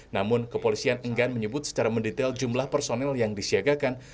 namun kepolisian enggan menyebut secara mendetail jumlah personel yang disiagakan